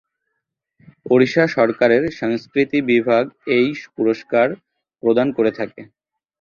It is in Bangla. ওড়িশা সরকারের সংস্কৃতি বিভাগ এই পুরস্কার প্রদান করে থাকে।